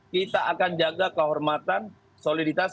kita akan jaga kehormatan soliditas